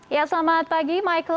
ya selamat pagi michael